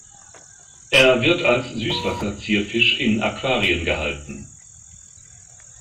Er wird als Süßwasserzierfisch in Aquarien gehalten.